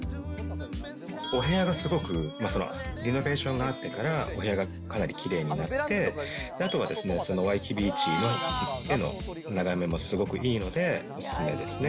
お部屋がすごく、リノベーションがあってから、お部屋がかなりきれいになって、あとはワイキキビーチの眺めもすごくいいので、お勧めですね。